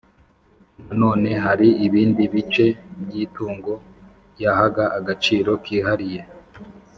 Nanone hari ibindi bice by itungo yahaga agaciro kihariye